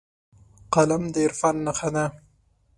قلم د عرفان نښه ده